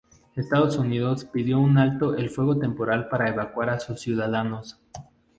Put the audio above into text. Estados Unidos pidió un alto el fuego temporal para evacuar a sus ciudadanos.